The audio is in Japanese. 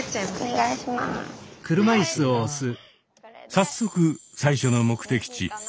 早速最初の目的地着物